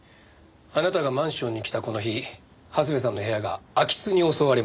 あなたがマンションに来たこの日長谷部さんの部屋が空き巣に襲われました。